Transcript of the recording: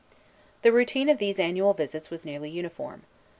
The routine of these annual visits was nearly uniform.